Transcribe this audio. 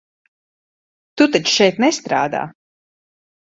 Tu taču šeit nestrādā?